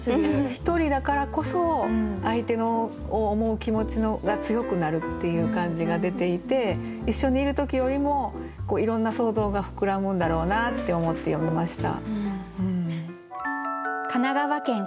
ひとりだからこそ相手を思う気持ちが強くなるっていう感じが出ていて一緒にいる時よりもいろんな想像が膨らむんだろうなって思って読みました。